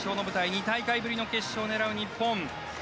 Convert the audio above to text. ２大会ぶりの決勝を狙う日本。